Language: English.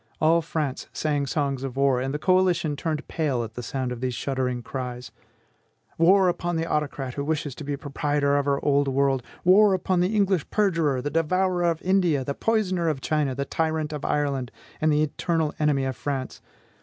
All France sang songs of war, and the coalition turned pale at the sound of these shuddering cries: "War upon the autocrat, who wishes to be proprietor of the old world! War upon the English perjurer, the devourer of India, the poisoner of China, the tyrant of Ireland, and the eternal enemy of France!